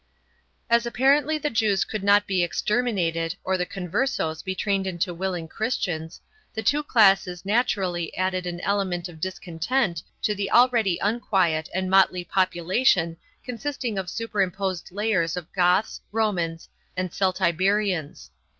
As apparently the Jews could not be exterminated or the Converses be trained into willing Christians, the two classes naturally added an element of discontent to the already unquiet and motley population consisting of superimposed layers of Goths, Romans and Celtiberians.